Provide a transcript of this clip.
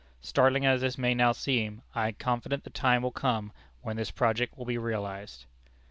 Startling as this may now seem, I am confident the time will come when this project will be realized."